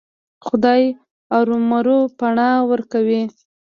خدای ارومرو پناه ورکوي.